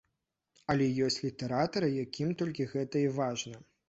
Але ёсць літаратары, якім толькі гэта і важна.